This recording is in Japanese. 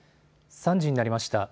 ３時になりました。